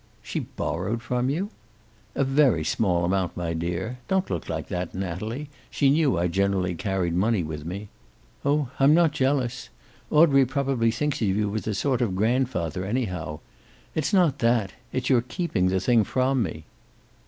"She borrowed from you!" "A very small amount, my dear. Don't look like that, Natalie. She knew I generally carried money with me." "Oh, I'm not jealous! Audrey probably thinks of you as a sort of grandfather, anyhow. It's not that. It is your keeping the thing from me."